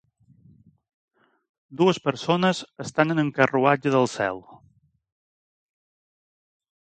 Dues persones estan en un carruatge del cel.